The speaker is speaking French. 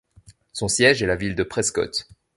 Son siège est la ville de Prescott.